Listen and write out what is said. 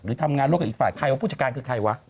หรือทำงานรูปกันอีกฝั่งใครว่าผู้จักรกันคือใครวะ